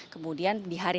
kemudian di hari